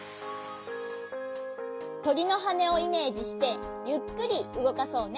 とりのはねをイメージしてゆっくりうごかそうね。